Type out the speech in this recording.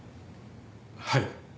はい。